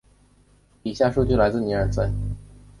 以下数据来自尼尔森。